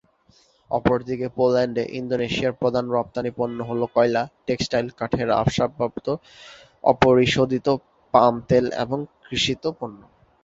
অপরদিকে, পোল্যান্ডে, ইন্দোনেশিয়ার প্রধান রপ্তানি পণ্য হল কয়লা, টেক্সটাইল, কাঠের আসবাবপত্র, অপরিশোধিত পাম তেল এবং কৃষিজ পণ্য।